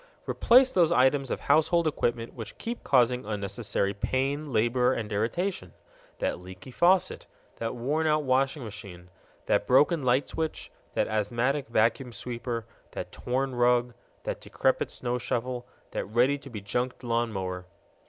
Replace those items of household equipment which keep causing unnecessary pain, labor, and irritation: that leaky faucet, that worn out washing machine, that broken light switch, that asthmatic vacuum sweeper, that torn rug, that decrepit snow shovel, that ready to be junked lawn mower.